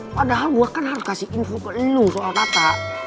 padahal gue kan harus kasih info ke lo soal tata